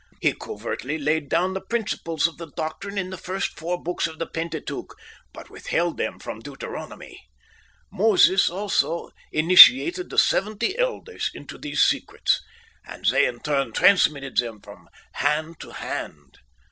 He covertly laid down the principles of the doctrine in the first four books of the Pentateuch, but withheld them from Deuteronomy. Moses also initiated the Seventy Elders into these secrets, and they in turn transmitted them from hand to hand.